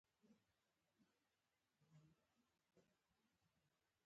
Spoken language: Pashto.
د خپلو غلطو پالیسیو له امله هر ورځ خپل کنترول د لاسه ورکوي